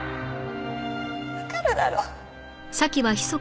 わかるだろ？